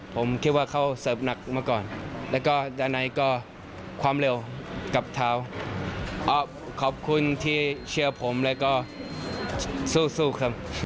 ผมคิดว่าเขาเสิร์ฟหนักมาก่อนแล้วก็ด้านในก็ความเร็วกับเท้าขอบคุณที่เชื่อผมแล้วก็สู้ครับ